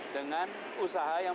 dengan usaha yang